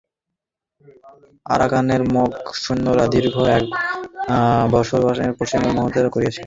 আরাকানের মগ সৈন্যরা দীর্ঘ এক বাঁশবনের পশ্চাতে ব্যূহরচনা করিয়াছিল।